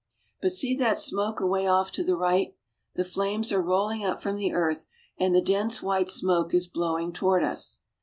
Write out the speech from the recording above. But see that smoke away off to the right. The flames are rolHng up from the earth, and the dense white smoke is blowing toward us.